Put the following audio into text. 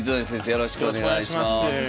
よろしくお願いします。